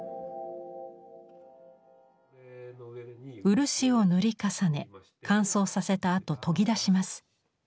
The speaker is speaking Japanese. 漆を塗り重ね乾燥させたあと研ぎ出します。